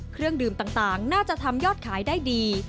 เครื่องดื่มต่างน่าจะทำยอดขายได้ดี